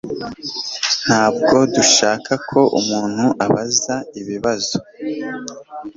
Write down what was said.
Ntabwo dushaka ko umuntu abaza ibibazo.